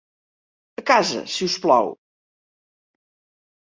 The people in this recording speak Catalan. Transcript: A casa, si us plau.